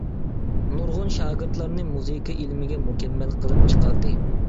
نۇرغۇن شاگىرتلارنى مۇزىكا ئىلمىگە مۇكەممەل قىلىپ چىقاردى.